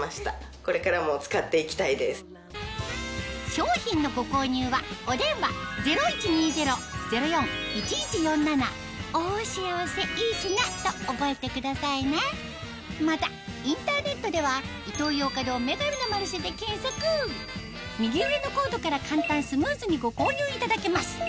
商品のご購入はお電話０１２０−０４−１１４７と覚えてくださいねまたインターネットでは右上のコードから簡単スムーズにご購入いただけます